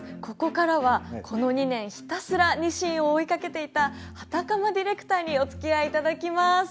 ここからはこの２年ひたすらニシンを追いかけていた幡鎌ディレクターにおつきあいいただきます。